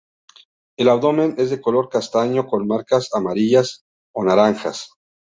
El abdomen es de color castaño con marcas amarillas o naranjas.